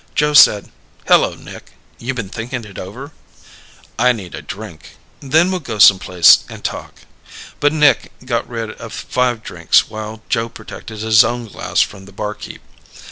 Joe said. "Hello, Nick. You been thinking it over?" "I need a drink." "Sure, Nick. Then we'll go some place and talk." But Nick got rid of five drinks while Joe protected his own glass from the barkeep.